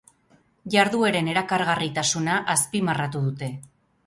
Jardueren erakargarritasuna azpimarratu dute.